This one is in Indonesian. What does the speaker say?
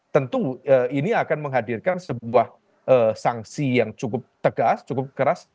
tentu ini akan menghadirkan sebuah sanksi yang cukup tegas cukup keras